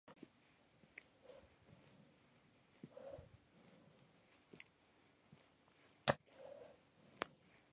Some traditions distinguish between the roles of pallbearer and casket bearer.